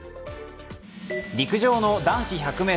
陸上の男子１００ｍ。